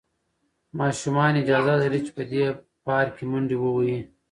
ماشومان اجازه لري چې په دې پارک کې منډې ووهي.